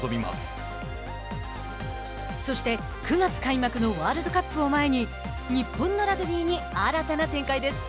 そして、９月開幕のワールドカップを前に日本のラグビーに新たな展開です。